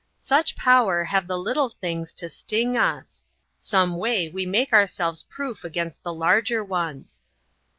Such power have the little things to sting us! Some way we make ourselves proof against the larger ones.